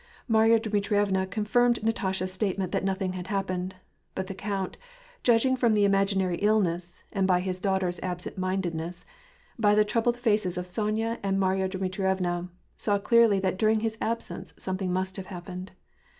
Marya Dmitrievna confirmed Natasha's statement that noth ing had happened, but the count, judging from the imaginary illness, and by his daughter's absent mindedness, by the troubled faces of Sony a and Marya Dmitrievna, saw clearly that during his absence something must have happened.